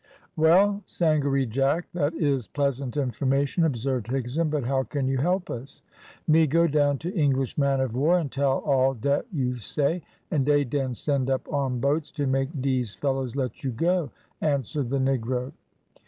"Well, Sangaree Jack, that is pleasant information," observed Higson, "but how can you help us?" "Me go down to English man of war, and tell all dat you say, and dey den send up armed boats to make dese fellows let you go," answered the negro.